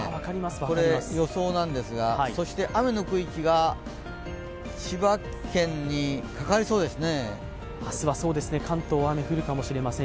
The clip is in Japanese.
これ、予想なんですが雨の区域が千葉県にかかりそうですね。